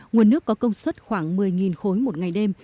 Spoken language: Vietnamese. nguồn nước có công suất khoảng một mươi khối một ngày đêm